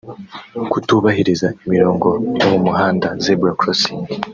kutubahiriza imirongo yo mu muhanda (Zebra Crossing)